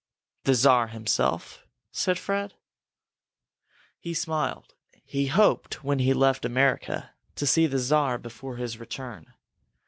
"The Czar himself?" said Fred. He smiled. He had hoped, when he left America, to see the Czar before his return.